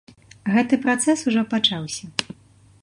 Гэты працэс ужо пачаўся.